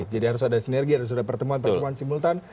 jadi harus ada sinergi harus ada pertemuan pertemuan simultan